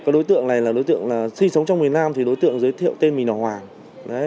đối tượng này là đối tượng sinh sống trong miền nam thì đối tượng giới thiệu tên mình là hoàng